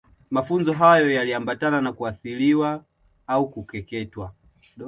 Mafunzo hayo yaliambatana na kutahiriwa au kukeketwa